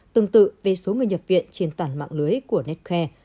tương tự về số người nhập viện trên toàn mạng lưới của netcre